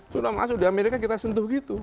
sudah masuk di amerika kita sentuh gitu